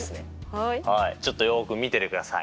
はいちょっとよく見ててください。